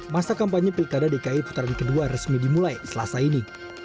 masa kampanye pilkada dki putaran kedua resmi dimulai selasa ini